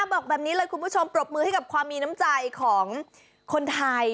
บอกแบบนี้เลยคุณผู้ชมปรบมือให้กับความมีน้ำใจของคนไทย